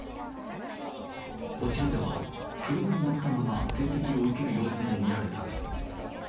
こちらでは、車に乗ったまま点滴を受ける様子も見られた。